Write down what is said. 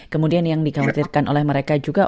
kemudian yang dikhawatirkan oleh mereka juga